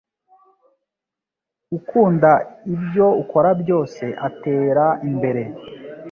ukunda ibyo ukora byose ateraimbere